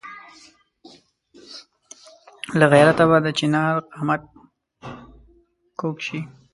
له غیرته به د چنار قامت کږ شي.